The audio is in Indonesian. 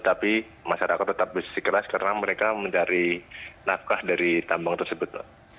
tapi masyarakat tetap bersikeras karena mereka mencari nafkah dari tambang tersebut pak